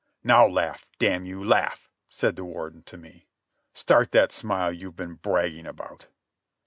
"Now, laugh, damn you, laugh," said the Warden to me. "Start that smile you've been bragging about."